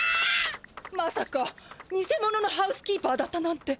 まさかニセモノのハウスキーパーだったなんて。